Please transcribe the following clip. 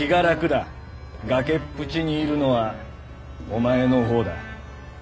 崖っぷちにいるのはおまえの方だ。